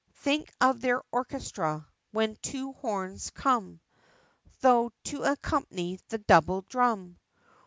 Think of their Orchestra, when two horns come Through, to accompany the double drum!